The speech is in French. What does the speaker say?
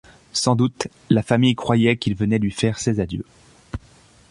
Sans doute, la famille croyait qu’il venait lui faire ses adieux.